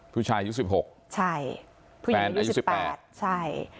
ผู้ชายอายุสิบหกใช่ผู้ชายอายุสิบแปดใช่